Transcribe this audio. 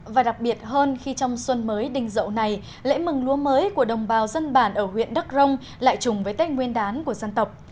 và đặc biệt hơn khi trong xuân mới đình dậu này lễ mừng lúa mới của đồng bào dân bản ở huyện đắc rông lại chùng với tết nguyên đán của dân tộc